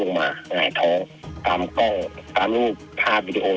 เค้าขึ้นไปเผื่อเค้าขึ้นไปเพื่อ